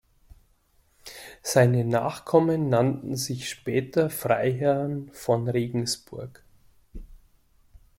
Seine Nachkommen nannten sich später Freiherren von Regensberg.